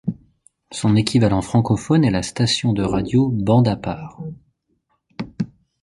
Son équivalent francophone est la station de radio Bande à part.